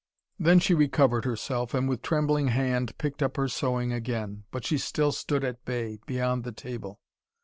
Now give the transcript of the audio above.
Then she recovered herself, and with trembling hand picked up her sewing again. But she still stood at bay, beyond the table.